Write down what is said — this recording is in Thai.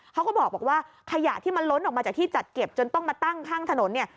เขาก็บอกว่าขยะที่มันล้นออกมาจากที่จัดเก็บจนต้องมาตั้งข้างถนนเนี่ย